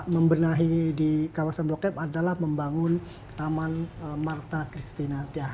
membenahi di kawasan blok m adalah membangun taman marta christina